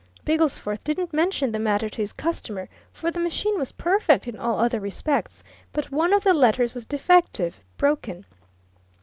Bigglesforth didn't mention the matter to his customer, for the machine was perfect in all other respects, but one of the letters was defective broken.